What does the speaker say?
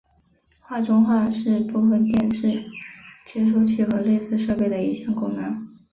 画中画是部分电视接收器和类似设备的一项功能。